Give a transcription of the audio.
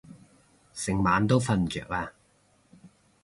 成晚都瞓唔著啊